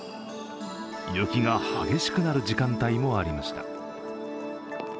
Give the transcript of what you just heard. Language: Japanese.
雪が激しくなる時間帯もありました。